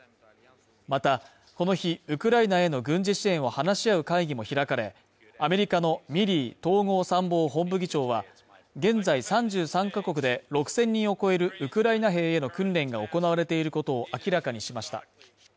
また、この日、ウクライナへの軍事支援を話し合う会議も開かれ、アメリカのミリー統合参謀本部議長は現在３３カ国で６０００人を超えるウクライナ兵への訓練が行われていることを明らかにしました。